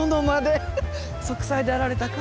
息災であられたか？